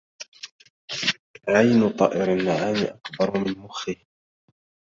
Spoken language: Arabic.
عين طائر النعام أكبر من مخّه.